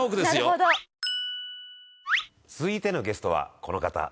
続いてのゲストはこの方。